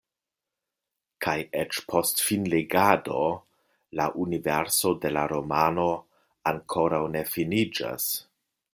Kaj eĉ post finlegado la universo de la romano ankoraŭ ne finiĝas.